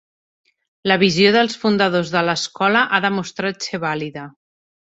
La visió dels fundadors de l'escola ha demostrat ser vàlida.